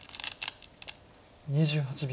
２８秒。